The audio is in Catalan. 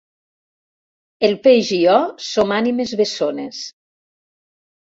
El peix i jo som ànimes bessones.